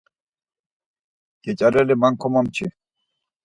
Geç̌areli man komomçi.